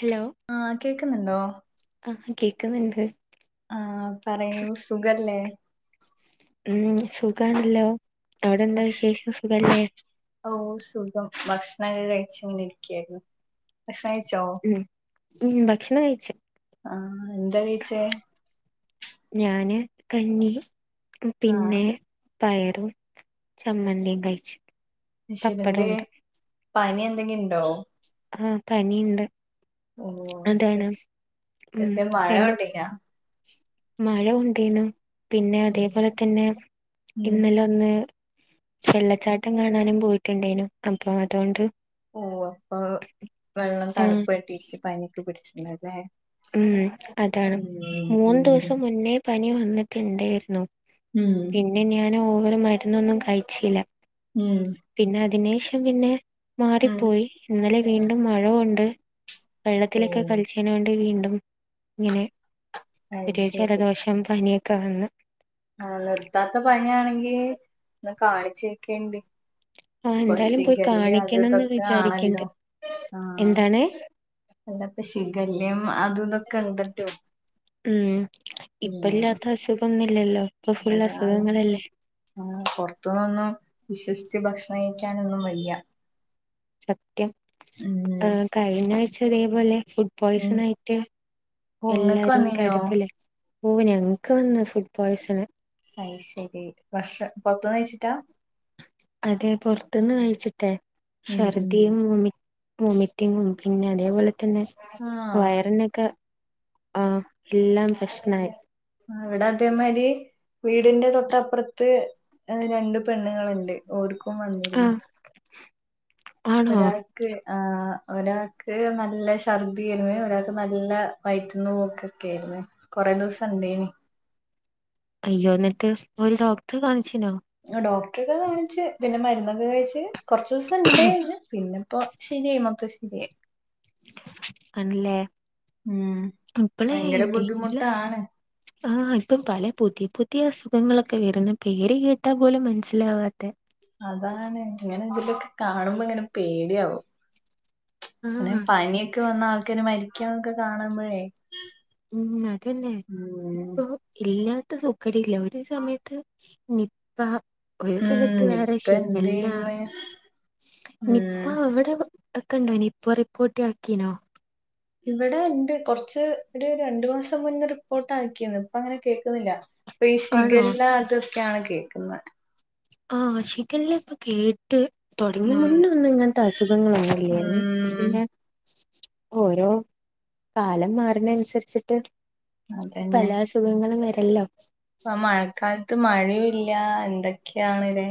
Hello. ആഹ് കേക്കുന്നുണ്ടോ. ആഹ് കേക്കുന്നുണ്ട്. ആഹ് പറയൂ സുഖല്ലേ? ഉം സുഖാണല്ലോ അവിടെന്താ ഭക്ഷ വിശേഷം സുഖല്ലേ. ഓ സുഖം ഭക്ഷണം ഒക്കെ കഴിച്ചിങ്ങനെയിരിക്കാരുന്നു, ഭക്ഷണം കഴിച്ചോ? ഉം ഭക്ഷണം കഴിച്ച്. ആഹ് എന്താ കഴിച്ചേ? ഞാന് കഞ്ഞി ആഹ് പിന്നെ. പയറും, ചമ്മന്തിയും കഴിച്ചു. ശ്ശെ ഇതെന്തെ പപ്പടമുണ്ട് പനി എന്തെങ്കിലും ഉണ്ടോ? ഉം പനി ഇണ്ട്. ഓ അതാണ് അയ്ശരി ഉം എന്തേ മഴ രണ്ടും. കൊണ്ടീനാ മഴ കൊണ്ടിനു പിന്നെ ഉം അതേപോലെ തന്നെ ഉം. ഇന്നലെ ഒന്ന്. വെള്ളച്ചാട്ടം കാണാനും പോയിട്ടുണ്ടായിനു അപ്പൊ അതുകൊണ്ട്. ഓ അപ്പൊ വെള്ളം ആഹ് തണുപ്പ് തട്ടിട്ട് പനിയൊക്കെ പിടിച്ചിട്ടുണ്ടാവുല്ലേ? ഉം അതാണ് ഉം മൂന്ന് ഉം ദിവസം മുന്നേ പനി വന്നിട്ടുണ്ടായിരുന്നു. ഉം. പിന്നെ ഞാൻ ഓവറ് മരുന്നൊന്നും കഴിച്ചില്ല. ഉം. പിന്നെ അതിനു ശേഷം പിന്നെ ഉം മാറിപ്പോയി ഇന്നലെ ഉം. വീണ്ടും മഴ കൊണ്ട്. ഓ വെള്ളത്തിലൊക്കെ കളിച്ചേനകൊണ്ട് വീണ്ടും ഇങ്ങനെ. ചെറിയ അയ്ശരി ജലദോഷം, പനിയൊക്കെ വന്ന്. ആഹ് നിർത്താത്ത പനിയാണെങ്കിൽ ഒന്ന് കാണിച്ചേക്കേണ്ടീ. ആഹ് പ്പോ എന്തായാലും പോയി ഷിഗല്ല അത് കാണിക്കണംന്ന് ഇതൊക്കെ വിചാരിക്ക്ണ്ട് ആണല്ലോ ആഹ്. എന്താണ് ന്താ പ്പോ ഷിഗല്ല അതുംഇതൊക്കെ ഉണ്ടല്ലോ ഉം ഇപ്പ ഉം ഇല്ലാത്ത അസുഖങ്ങൾന്നുല്ലല്ലോ ഇപ്പൊ ഫുൾ അതാണ് അസുഖങ്ങളല്ലേ? ആഹ് പുറത്തുന്നൊന്നും വിശ്വസിച്ച് ഭക്ഷണം കഴിക്കാനൊന്നും വയ്യ സത്യം ഉം കഴിഞ്ഞ ആഴ്ച ഇതേപോലെ ഉം പോയ്സൺ ആയിട്ട് ഓ ഇങ്ങക്ക് എല്ലാരും വന്നീനോ കിടപ്പിലാ ഓഹ് ഞങ്ങക്ക് വന്നു ഫുഡ് പോയ്സണ് അയ് ശരി ഭക്ഷണ പുറത്ത് ന്ന് കഴിച്ചിട്ടാ അതെ പുറത്തുന്ന് കഴിച്ചിട്ടെ ഉം ഉം ഛർദിയും ഒമിറ്റ്- വോമിറ്റിങ്ങും പിന്നെ അതേപോലെ തന്നെ ആഹ് വയറിനൊക്കെ ആഹ് എല്ലാം പ്രശ്നായി ആഹ് എവിടെ അതേമാരി വീടിന്റെ തൊട്ടപ്പുറത്ത് രണ്ട് പെണ്ണുുകളുണ്ട് ഓർക്കും വന്നിരുന്നു ആഹ് ആണോ ഒരാൾക്ക് ആ ഒരാൾക്ക് നല്ല ശർദിയെന് ഒരാൾക്ക് നല്ല- വയറ്റിൽന്ന് പോക്ക ഒക്കെ ആയിരുന്നു കൊറെേ ദിവസം ഉണ്ടേന് അയ്യോ എന്നിട്ട് ഒരു ഡോക്ടറെ കാണിച്ചനോ ഡോക്ടറൊക്കെ കാണിച്ച് പിന്നെ മരുന്നൊക്കെ കഴിച്ച് കുറച്ച ദിവസം ണ്ടായിന് പിന്നെ ഇപ്പൊ ശരിയയി മൊത്തം ശരിയായി ആണല്ലേ ഉം ഇപ്പളെ ഭയങ്കര ബുദ്ധിമുട്ടാണ് [inaudible] ആഹ് ഇപ്പം പല പുതിയ പുതിയ അസുഖങ്ങളൊക്കെ വരുന്ന പേര് കേട്ടാൽ പോലും മനസ്സിലാവാത്തെ. അതാണ് ഇങ്ങനെ ഇതിലൊക്കെ കാണുമ്പോ ഇങ്ങനെ പേടിയാവും. ങ്ങനെ ആഹ് പനിയൊക്കെ വന്ന് ആൾക്കാര് മരിക്കണതോക്കെ കാണുമ്പോഴേ ഉം അതന്നെ ഉം ഇപ്പൊ ഇല്ലാത്ത സുക്കടി ഇല്ല ഒരു സമയത്ത് നിപ്പ ഒരു സ്ഥലത്ത് ഉം വേറെ ഇപ്പ ശിഗല്ല എന്തേര്ന്ന് നിപ്പ ഉം അവിടെ ഒക്കെണ്ടയിനോ നിപ്പ റിപ്പോർട്ട് ആക്കിനോ ഇവിടെ ഉണ്ട് കൊറച്ച് ഒരു രണ്ടു മാസം മുന്നേ റിപ്പോർട്ട് ആക്കിന്ന് ഇപ്പ അങ്ങനെ കേൾക്കുന്നില്ല ഇപ്പൊ ഈ ആണോ ശിഖല്ല അതൊക്കെയാണ് കേക്കുന്ന ആഹ് ഷിഗല്ല ഇപ്പൊ കേട്ട്- കേട്ട് തുടങ്ങി ഉം മുന്നെ ഒന്നും ഇങ്ങനത്തെ അസുഖങ്ങളാന്നില്ലായിരുന്നു ഉം പിന്നെ ഓരോ കാലം മാറുന്ന അനുസരിച്ചിട്ട് പല അസുഖങ്ങളും വരല്ലോ ആ മഴക്കാലത്ത് മഴയും ഇല്ല എന്തൊക്കെയാണ്ല്ലേ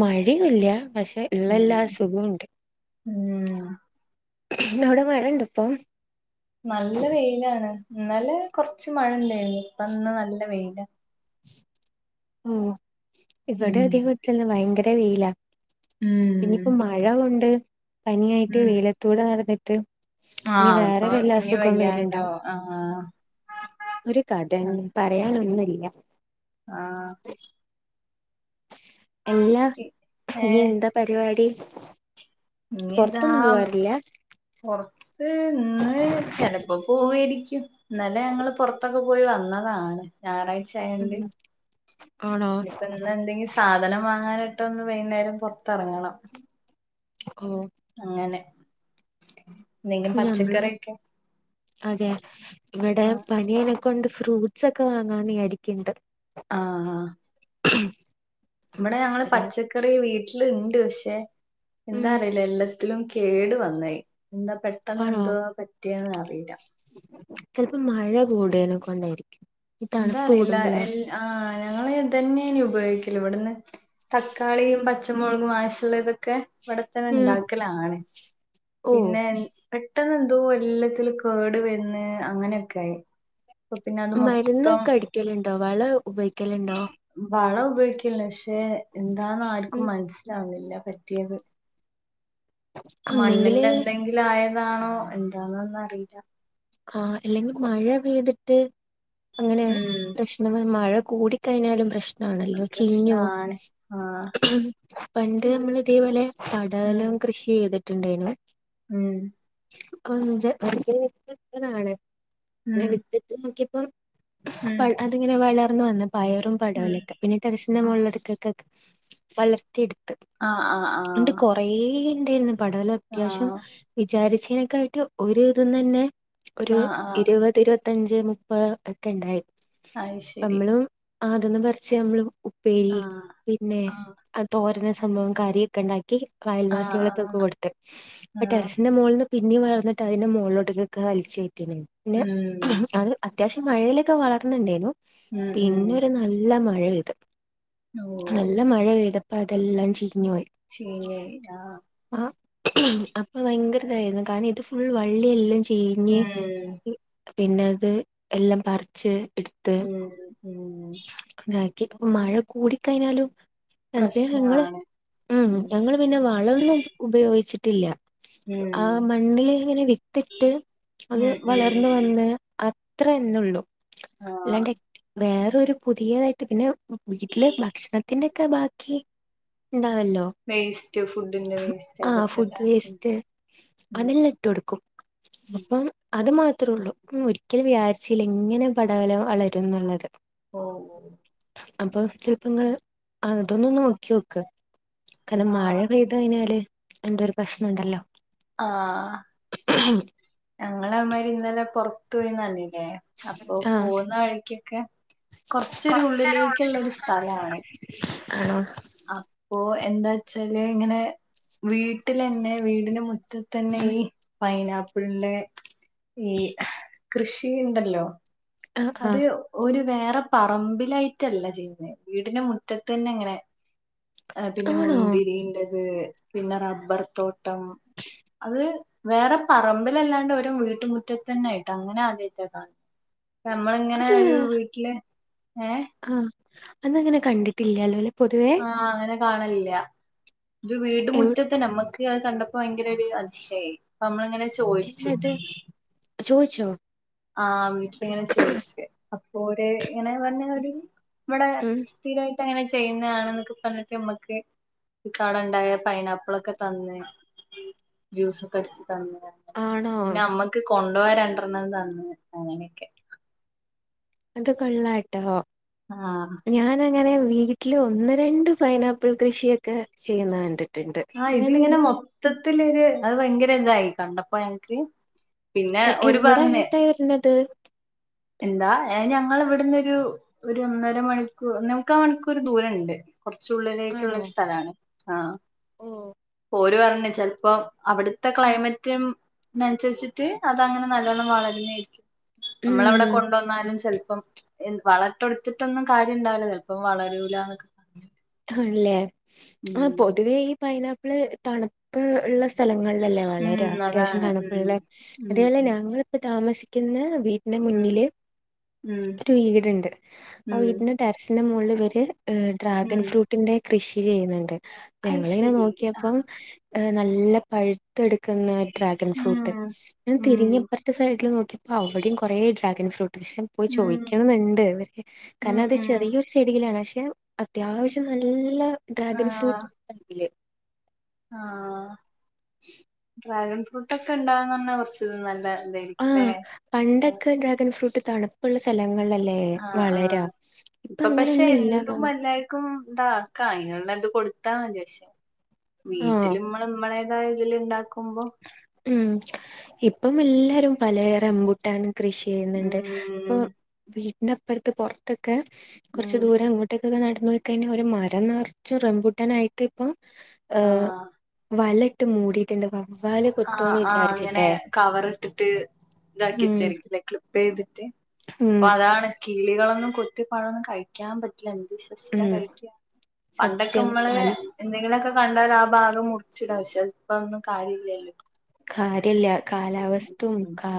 മഴയില്ല പക്ഷെ ഉം ഉള്ളെല്ലാ അസുഖുണ്ട് ഉം നവിടെ മഴ ഇണ്ട് ഇപ്പൊ നല്ല വെയിലാണ് ഇന്നലെ കുറച്ച് മഴണ്ടായിരുന്നു ഇപ്പന്ന് നല്ല വെയില ഉം ഇവിടെ ഉം അതേപോലെ തന്നെ ഭയങ്കര വെയിലാ ഉം ഇനി പ്പോ മഴ കൊണ്ട് പനിയായിട്ട് ഉം വെയിലത്തൂടെ നടന്നിട്ട്- ഇനി ആഹ് വേറെ അപ്പൊ വല്ല ഇനി അസുഖം വയ്യാണ്ടോ വരുണ്ടാവും ആഹ് ഒരു കഥന്നെ പറയാനൊന്നില്ല ആഹ് എല്ലാ ഇനി ഏഹ് എന്താ പരിപാടി ഇനി എന്താ പൊറത്തൊന്നും പോവാറില്ല പുറത്ത് ഇന്ന് ചിലപ്പോ പോവായിരിക്കും ഇന്നലെ ഞങ്ങള് പുറത്തൊക്കെ പോയി വന്നതാണ് ഞായറാഴ്ച ഞാറാഴ്ച്ച ഉം ആയോണ്ട് ഇനി ആണോ ഇപ്പോ ഇന്ന് ഇന്ന് എന്തെങ്കും സാധനം വാങ്ങാനിട്ട് ഒന്ന് വൈന്നേരം പുറത്തിറങ്ങണം. ഉം അങ്ങനെ എന്തെങ്കിലും മ്മള് പച്ചക്കറിയൊക്കെ അതെ ഇവിടെ ആഹ് പണിയനൊക്കെ കൊണ്ട് ഫ്രൂട്ട്സ് ഒക്കെ വാങ്ങാൻരിക്കണ്ട് ആഹ ഇവിടെ ഞങ്ങള് പച്ചക്കറി വീട്ടിലുണ്ട് പക്ഷെ ഉം എന്താ അറിയില്ല എല്ലാത്തിലും കേടു വന്നായി എന്താ പെട്ടെന്ന് ആണോ എന്തോവാ പറ്റിയന്ന് അറിയില്ല ചെലപ്പോ മഴ കൂടെയിന കൊണ്ടായിരിക്കും ഈ എന്താ തണുപ്പ് അറിയില്ല കൂടുമ്പളേ എ ആഹ ഞങ്ങള് തന്നെയനി ഉപയോഗിക്കല ഇവിടുന്ന് തക്കാളിയും ഉം പച്ചമുളകും ആവശമുള്ള ഇതൊക്കെ ഇവിടെത്തന്നെ ഉം ഉണ്ടാക്കലാണ് ഓ പിന്നെ പെട്ടെന്ന് എന്തോ എല്ലാത്തില് കേട് വന്ന് അങ്ങനെയൊക്കൊ മരുന്ന് ഒക്കെ അടിക്കലുണ്ടോ വളം ഉപയോഗിക്കലുണ്ടോ വളം ഉപയോഗിക്കില്ല പക്ഷെ എന്താന്ന ഉം ആർക്കും മനസ്സിലാവുന്നില്ല പറ്റിയത് ഒന്നെങ്കില് മണ്ണിന്റെ എന്തെങ്കിലും ആയതാണോ എന്താണോന്ന അറിയില്ല ആഹ അല്ലെങ്കിൽ മഴ പെയ്തിട്ട് അങ്ങനെ ഉം പ്രശ് നമ്മ മഴ കൂടി കഴിഞ്ഞാലും അത് പ്രശ്നമാണല്ലോ ചീഞ്ഞോ പ്രശ്നാണ് ആഹ് പണ്ട് നമ്മൾ ഇതേപോലെ ഉം പടവലം കൃഷി ചെയ്തിട്ടുണ്ടായിരുന്നു ഉം താണ് ഉം പിന്നെ വിത്തിട്ട് നോക്കിയപ്പോ അതിങ്ങനെ വളർന്നു വന്ന പയറും ഉം പടവലൊക്കെ പിന്നെ ടെറസിന്റെ ഉം മോളെടക്കൊക്കെ വളർത്തിയെടുത്ത് ആഹ് ആഹ് ആഹ കുറയെ ഉണ്ടായിരുന്നു പടവല അത്യാവശ്യം വിചാരിച്ചതിനൊക്കെ ആയിട്ട് ഒരിതം തന്നെ ഒരു ആഹ് ആഹ് ഇരുപത് ഇരുപത്തഞ്ച് മുപ്പത് ഒക്കെ ഉണ്ടായി അത് ശരി നമ്മളും ആ അതൊന്ന് പറിച്ച് നമ്മള് ഉപ്പേരി ആഹ് പിന്നെ ആഹ് തോരന സംഭവം കാര്യൊക്കെ ഉണ്ടാക്കി ആഹ് അയൽവാസികൾക്കക്ക കൊടുത്ത് അപ്പൊ ആഹ് ആഹ് ടെറസിന്റെ മുകളിൽന്ന് പിന്നെ വളർന്നട്ട് അതിന്റെ മുകളിലോട്ട ഒെ വലിച്ചകേറ്റിനി പിന്നെ ഉം അത് അത്യാവശ്യം മഴയിലൊക്കെ വളർന്നണ്ടായിരുന്നു ഉം ഉം പിന്നരു നല്ല മഴ പെയ്തു ഓഹ് നല്ല മഴ പെയ്ത അപ്പൊ അതെല്ലാ ചീഞ്ഞു പോയി ചീഞ്ഞു പോയി ആഹ ആ അപ്പൊ ഭയങ്കര ഇതായിരുന്നു കാരണം ഇത് ഫുൾ വള്ളിയെല്ലാം ചീഞ്ഞു ഉം പിന്നെ ത് എല്ലാം പ റിച്ച് എടുത്ത് ഉം ഉം അതാക്കി മഴ കൂടി കഴിഞ്ഞാലും [unintelligible] പി ഞങ്ങള് പ്രശ്നാണ് ഉ ഉം ഞങ്ങ പിന്നെ വളമൊന്നും ഉപയോഗിച്ചിട്ടില്ല ഉം ആ മണ്ണിൽ ഇങ്ങനെ വിത്തിട്ട് അത് ഉം വളർന്ന് ഉം വന്ന് അത്ര ന്നെള്ളൂ ആഹ് അല്ലാണ്ട് വേറെ അ ഒരു പുതിയതായിട്ട് പിന്നെ വീട്ടില് ഭക്ഷണത്തിന്റെൊക്കെ ബാക്കി ഉണ്ടാവല്ലോ വേസ്റ്റ് ഫുഡിന്റെ വേസ്റ്റ് ആഹ ഫുഡ് അതൊക്കെല്ലേ ഉം വേസ്റ്റ് ഉം അതെല്ലാം ഇട്ട് കൊടുക്കും ഉം അപ്പൊ അത് മാത്രേ ഉള്ളൂ ഒരിക്കൽ വിയാരിച്ചല്ല ഇങ്ങനെ പടവല വളരും എന്നുള്ളത് ഓഓ അപ്പൊ ചിലപ്പോ നിങ്ങള് അതൊന്നും നോക്കി നോക്ക കാരണം മഴ ആഹ് പെയ പെയ്തു കഴിഞ്ഞാല് എന്തോ ഒരു പ്രശ്നംണ്ടല്ലോ ആഹ ഞങ്ങള അമാരി പൊറത്ത് പോയി നനഞ്ഞു അപ്പൊ ആഹ് പോകുന്ന വഴിക്കൊക്കെ കൊറച്ചൊരു ഉള്ളിലേക്കുള്ള ഒരു സ്ഥലണ് ആ അപ്പൊ എന്താ ച്ചാല് ഇങ്ങനെ വീട്ടിൽന്നെ വീടിന് തന്നെ ഉം ഈ പൈനാപ്പിളിന്റെ ഈ കൃഷി ഉണ്ടല്ലോ ആഹ് അത് ആഹ് ഒരു വേറെ പറമ്പിലായിട്ടല്ല ചെയ്യുന്നത് വീടിന്റെ മുറ്റത്ത് തന്നെ അങ്ങനെ ആഹ് പിന്നെ ആണോ മുന്തിരിന്റെത് പിന്നെ റബ്ബർ തോട്ടം. അത് വേറെ പറമ്പിലല്ലാണ്ട് ഒര് വീട്ടുമുറ്റത്ത് തന്നെ ആയിട്ട് അങ്ങനെ ആദ്യയിട്ടാ കാണ നമ്മൾ ഇങ്ങനെ ഒരു വീട്ടിലെ ഏ ആഅന്ന് അങ്ങനെ കണ്ടിട്ടില്ലല്ലോ പൊതുവേ ആഹ് അങ്ങനെ കാണലില്ല ഇത് വീട് എവ് മുുറ്റത്ത് നമ്മക്ക് അത് കണ്ടപ്പോ ഭയങ്കര ഒരു അതിശയംനമ്മൾ ഇങ്ങനെ [unintelligible] ആ വീട്ടിലിങ്ങനെ ചോയ്ച്ചു അപ്പൊര് ഇങ്ങനെ [unintelligible] ഉം സ്ഥിരായിട്ട് അങ്ങനെ ചെയ്യുന്നതാണ് എന്നൊക് പറഞ്ഞിട്ട് നമ്മുക്ക്, ഇക്ക അവിടെ ഉണ്ടായ പൈനാപ്പിളൊക്കെ തന്ന് ജ്യൂസൊക്കെ അടിച്ച് തന്ന്, ആണോ പിന്നെ നമ്മക്ക് കൊണ്ടോവാൻ രണ്ടെണ്ണം തന്ന് അങ്ങനെയൊക്കെ. അത് കൊള്ളാട്ടോ. ആ ഞാനങ്ങനെ വീട്ടില് ഒന്ന് രണ്ട് പൈനാപ്പിൾ കൃഷിയൊക്കെ ചെയ്യുന്നുണ്ട്. ആഹ ഇതിങ്ങനെ മൊത്തത്തിലൊരു അത് ഭയങ്കര ഇതായി കണ്ടപ്പോ ഞങ്ങൾക്ക് പിന്നെ ഓല് എവിടെ പറഞ്ഞു് [unintelligible] എന്താ [inaudible] ഞങ്ങൾ ഇവിടുന്ന് ഒരു ഒന്നര മണിക്കൂർ ഒന്നേമുക്കാ മണിക്കൂർ ദൂരോണ്ട്. കുറച്ചുള്ളിലേക്കുള്ള ആണോ സ്ഥലാണ് ആഹ്. ഓ ഓര് പറഞ്ഞു ചെലപ്പം അവിടുത്തെ ഉം ക്ലൈമറ്റ് റ്റം നൻച്ചെച്ചിട്ട് അതങ്ങനെ നല്ലോണ്ണം വളരുന്നായിരിക്കും. നമ്മള് അവിടെ കൊണ്ടുവന്നാലും ചെൽപ്പം, വളട്ടൊടുത്തിട്ടൊന്നും കാര്യം ഉണ്ടാവൂലാ ചെൽപ്പം വളരൂലാന്നൊ ആണ്ല്ലേ ആ ഉം പൊതുവേ ഈ പൈനാപ്പിൾ തണുപ്പ് ഉള്ള സ്ഥ സ്ഥലങ്ങളിലല്ലേ വളരെ ഉം അത്യാവശ്യം അതാണ് ഉം തണുപ്പുള്ളേ ഉം അതേപോലെ ഉം ഞങ്ങളിപ്പ താമസിക്കുന്ന വീ ഉം മുന്നില് ഉം ഒരു വീടുണ്ട് ആ ഉം വീടി ടെറസിന്റെ മുകളിൽ വര് ഡ്രാഗൺ ഉം ഫ്രൂട്ടിന്റെ കൃഷി ചെയ്യുന്നുണ്ട്. അത് ഞങ്ങളിങ്ങനെ ശരി ആ നോക്കിയപ്പം നല്ല പഴ്‌ [unintelligible] ഡ്രാഗൺ ഉം ഫ്രൂട്ട് ൻ ഉം തിരിഞ്ഞ് അപ്പുറത്തെ സൈഡിൽ നോക്കിയപ്പോ അവിടെയും കുറെേ ഡ്രാഗൺ ഫ്രൂട്ട് ഷം പോയി ഉം ചോദിക്കണമെന്നുണ്ട് വെരെ ഉം കാരണം അത് ഉം ചെറിയൊരു ചെടിയിലാണ് പക്ഷെ, അത്യാവശ്യം നല്ല ഡ്രാഗൻ ഫ്രൂട്ട്ണ്ടേൽ, ആഹ [unintelligible] ഡ്രാഗൺ ഫ്രൂട്ട് ഒക്കെ ഉണ്ടാവുന്ന [unintelligible] ആഹ പണ്ടൊക്കെ ഡ്രാഗൺ ഫ്രൂട്ട് തണുപ്പുള്ള സ്ഥലങ്ങളിലല്ലേ? എ ആഹ് വളരാം ആഹ് ഇപ്പ ഇപ്പൊ പക്ഷെ എന്തും അങ്ങനെൊന്നുംല്ലന്നോണ്. [unintelligible] ഇത് കൊടുത്താമതി പക്ഷെ ആഹ് വീട്ടിലെമ്മള് നമ്മളെ [inaudible] ഇതിൽ ഉണ്ടാക്കുമ്പോ. ഉം ഇപ്പം എല്ലാരും പലേറെമ്പുട്ടാനും കൃഷി ചെയ്യുന്നുണ്ട് ഉം ഇപ്പം വീട്ടിനപ്പുറത്ത് പൊർത്തൊക്കെ ഉം കുറച്ച് ദൂരംങ്ങ്ട്ട് റ്റൊക്കെ നടന്ന പോയ്ക്കഴിഞ്ഞാൽ ഒരു മരം നർച്ച് റംമ്പുട്ടൻ ആയിട്ട് ഇപ്പം ഏഹ്. ആഹ് വല ഇട്ട് മൂടിട്ടുണ്ട് വ ആ ആഹ അങ്ങനെ കവർ ഇട്ടിട്ട് ഇതാക്കി ഉം വെച്ചായ്രിക്കില്ലേ ക്ലിപ്പ് ചെയ്തിട്ട്. അപ്പൊ ഉം അതാണ് കിളികളൊന്നുംകൊത്തിയ പഴം കഴിക്കാൻ പറ്റ ഉം [unintelligible] പണ്ടൊക്കെ സത്യം മ്മള് പല എന്തെങ്കിലൊക്കെ കണ്ടാല ആ ഭാഗം മുറിച്ചിടാ പക്ഷെ പ്പതൊന്നും കാര്യല്ലല്ലോ. കാര്യല്ല കാലാവസ്തും ഉം കാ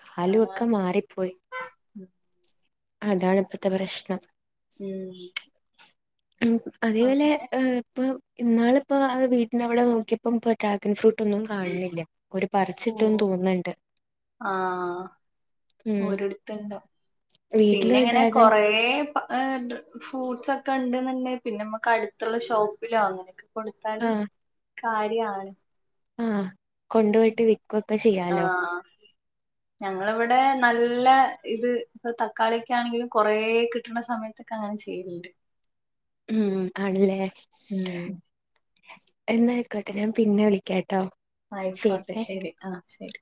കാലും ആഹ് ഒക്കെ മാറിപ്പോയി. അതാണ്പ്പത്തെ പ്രശ്ണം. ഉം ഉഅതേ പോലെ അങ്ങനെ ഇപ്പൊ ഇന്നാളിപ്പോ വീട്ടിനവിടെ നോക്കിയപ്പം ഇപ്പ ഡ്രാഗൺ ഫ്രൂട്ട് ഒന്നും കാണുന്നില്ല ഓര് ഓ പറിച്ച്ട്ട്ന്ന് തോന്ന്ണ്ട് ഓരൊട്ത്ത് ഇണ്ടോ വീട്ടില് പിന്നെ ഇങ്ങനെ ഡ്രാഗൻ കൊറേ ഫ്രൂട്ട്സ് ഒക്കെ ഉണ്ട്ന്ന് ഇണ്ടെങ്കി പിന്നെ നമുക്ക് അടുത്തുള്ള ഷോപ്പില് വാങ്ങും കൊടുത്താലും കാര്യാണ് ആ കൊണ്ട് പോയിട്ട് വിക്കൊക്കെ ചെയ്യാലോ ഞങ്ങള് ഇവിടെ നല്ല ഇത് ഇപ്പ തക്കാളിക്കാണെങ്കിലും കൊറേ കിട്ട്ണ സമയത്തൊക്കെ അങ്ങനെ ചെയ്തിര്ന്നു ഉം ആണല്ലേ ഉം എന്നാ അയിക്കോട്ടെ ഞാൻ പിന്നെ വിളിക്കാട്ടോ ആയിക്കോട്ടെ ശരിയേ ശരി ആ ശരി